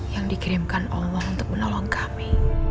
yang dikirimkan allah untuk menolong kami